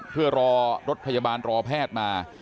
เพื่อรอรถพยาบาลรอแพทย์มา